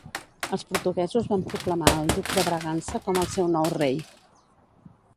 Els portuguesos van proclamar el Duc de Bragança com el seu nou rei.